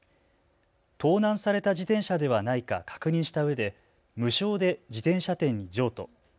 盗難された自転車ではないか確認したうえで無償で自転車店に譲渡。